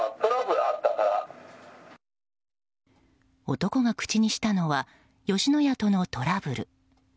男が口にしたのは吉野家とのトラブル。